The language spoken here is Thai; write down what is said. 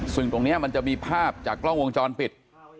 ซึ่งตรงนี้มันจะมีภาพจากกล้องวงจรปิด